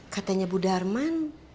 katanya bu darman